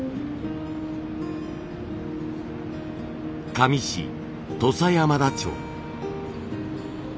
香美市土佐山田町。